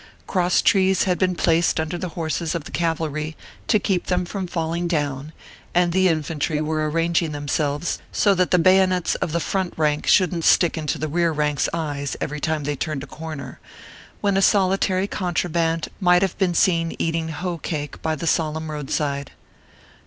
Cross trees had been placed under the horses of the cavalry to keep them from falling down, and the infantry were arranging them selves so that the bayonets of the front rank shouldn t stick into the rear rank s eyes every time they turned a corner, when a solitary contraband might have been seen eating hoe cake by the solemn road side.